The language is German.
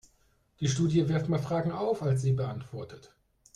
Die Studie wirft mehr Fragen auf, als sie beantwortet.